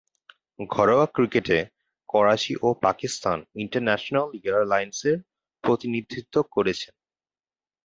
ঘরোয়া ক্রিকেটে করাচি ও পাকিস্তান ইন্টারন্যাশনাল এয়ারলাইন্সের প্রতিনিধিত্ব করেছেন।